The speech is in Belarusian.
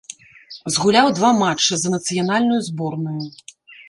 Згуляў два матчы за нацыянальную зборную.